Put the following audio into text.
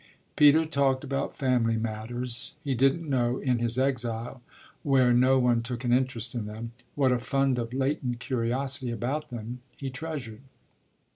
Peter talked about family matters; he didn't know, in his exile, where no one took an interest in them, what a fund of latent curiosity about them he treasured.